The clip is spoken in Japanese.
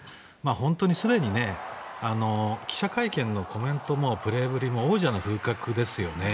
すでに記者会見のコメントもプレーぶりも王者の風格ですよね。